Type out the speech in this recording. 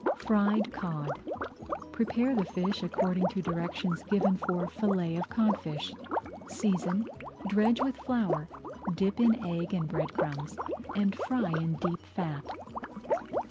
[Page 110] FRIED COD Prepare the fish according to directions given for Fillet of Codfish. Season, dredge with flour, dip in egg and bread crumbs, and fry in deep fat.